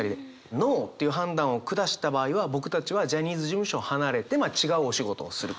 ノーという判断を下した場合は僕たちはジャニーズ事務所を離れて違うお仕事をする。